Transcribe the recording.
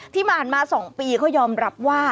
ที่ผ่านมา๒ปีเขายอมรับว่า